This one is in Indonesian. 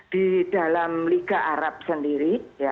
di dalam liga arab sendiri